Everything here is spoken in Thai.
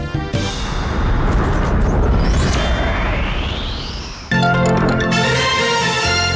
จัดเจดเลยอันนี้